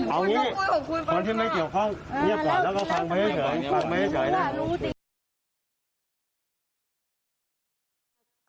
เอาอย่างนี้พอที่ไม่เกี่ยวข้อง